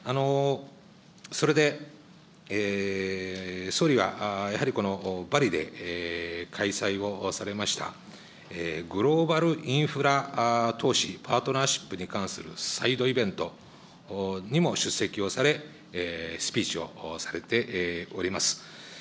それで、総理は、やはりこのバリで開催をされました、グローバルインフラ投資パートナーシップに関するサイドイベントにも出席をされ、スピーチをされております。